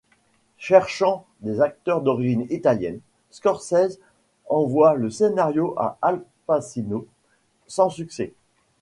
Cherchant des acteurs d'origine italienne, Scorsese envoie le scénario à Al Pacino, sans succès.